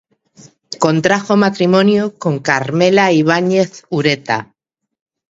Contrajo matrimonio con Carmela Ibáñez Ureta.